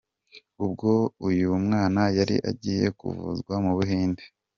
Ubwo uyu mwana yari agiye kuvuzwa mu Buhinde.